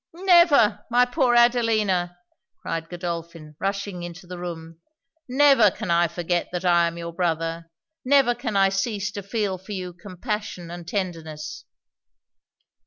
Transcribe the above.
'Never! my poor Adelina,' cried Godolphin, rushing into the room, 'never can I forget that I am your brother never can I cease to feel for you compassion and tenderness.'